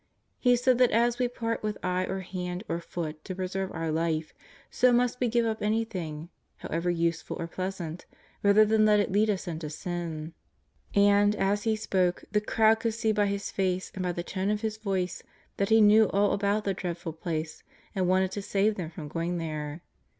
He said that as we part with eye, or hand, or foot to preserve our life, so must we give up anything, however useful or pleasant, rather than let it lead us into sin. And, as He spoke, the crowd could see by His face and by the tone of His voice that He knew all about that dreadful place and w^anted to save them from going there.